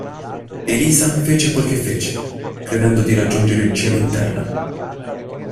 Elisa fece quel che fece, credendo di raggiungere il cielo in terra.